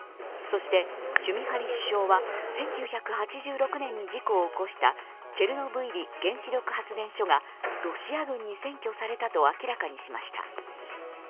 そして、シュミハリ首相は１９８６年に事故を起こしたチェルノブイリ原子力発電所がロシア軍に占拠されたと明らかにしました。